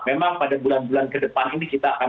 memang pada bulan bulan ke depan ini kita akan